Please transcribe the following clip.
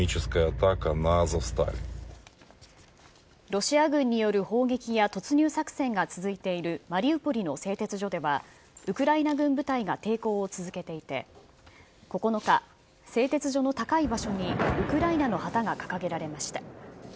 ロシア軍による砲撃や突入作戦が続いているマリウポリの製鉄所では、ウクライナ軍部隊が抵抗を続けていて、９日、製鉄所の高い場所にウクライナの旗が掲げられました。